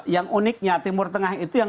yang uniknya timur tengah itu yang